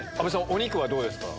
お肉はどうですか？